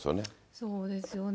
そうですよね。